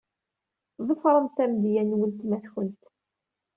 Ḍefṛemt amedya n weltma-tkent.